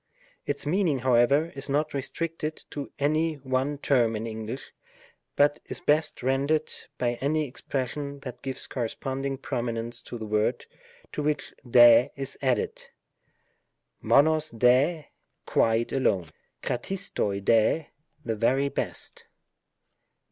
Its meaning, however, is not restricted to any one term in English, but is best rendered by any ex pression that gives corresponding prominence to the word to which hri is added ; fiovoq dr}y " quite alone ;" 206 PAETIOLES. §142. xQccrcaroc drjy " the very best."